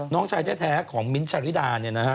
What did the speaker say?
น้องชายแท้ของมิ้นท์ชาฬิดา